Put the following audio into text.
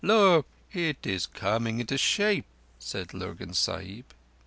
"Look! It is coming into shape," said Lurgan Sahib.